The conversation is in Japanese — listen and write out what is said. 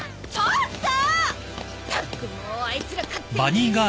ったくもうあいつら勝手に！